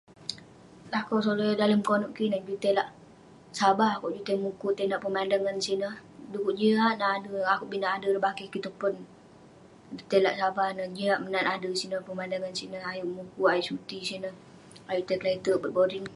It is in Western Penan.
Lakau solai yah dalem konep kik ineh juk tai lak Sabah akouk, juk tai mukuk, juk tai nat pemandangan sineh, dukuk jiak nat ade, akouk bi nat ireh bakeh kik tong pon..juk tai lak Sabah ineh, jiak menat ade sineh, pemandangan sineh ayuk mukuk, ayuk suti sineh..ayuk tai kle'terk bet boring..